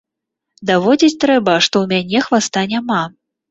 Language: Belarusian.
Даводзіць трэба, што ў мяне хваста няма.